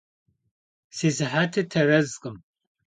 Si sıhetır terezkhım.